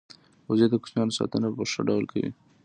وزې د کوچنیانو ساتنه په ښه ډول کوي